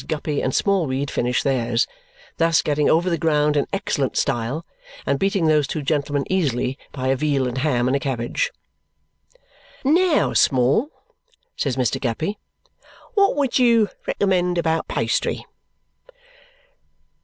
Guppy and Smallweed finish theirs, thus getting over the ground in excellent style and beating those two gentlemen easily by a veal and ham and a cabbage. "Now, Small," says Mr. Guppy, "what would you recommend about pastry?"